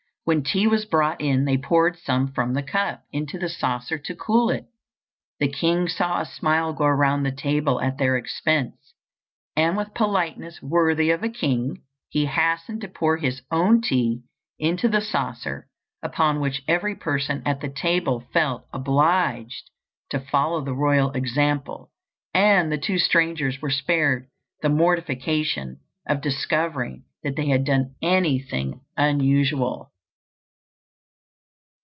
When tea was brought in they poured some from the cup into the saucer to cool it. The king saw a smile go around the table at their expense, and, with politeness worthy of a king, he hastened to pour his own tea into the saucer, upon which every person at the table felt obliged to follow the royal example, and the two strangers were spared the mortification of discovering that they had done anything unusual.